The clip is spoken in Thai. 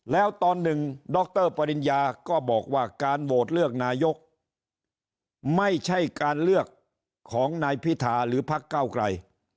แล้วตอนหนึ่งดรปริญญาก็บอกว่าการโหวตเลือกนายกไม่ใช่การเลือกของนายพิธาหรือพักเก้าไกล